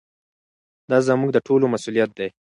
دا زموږ د ټولو مسؤلیت دی.